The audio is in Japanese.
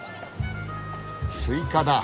スイカだ。